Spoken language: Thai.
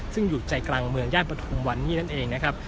ซึ่งอยู่ใจกลางเมืองย่านปฐุมวันนี้นั่นเองนะครับ